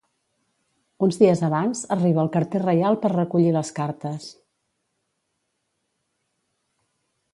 Uns dies abans, arriba el carter reial per recollir les cartes.